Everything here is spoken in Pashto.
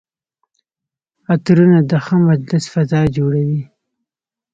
عطرونه د ښه مجلس فضا جوړوي.